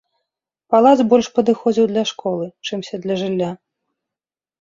Палац больш падыходзіў для школы, чымся для жылля.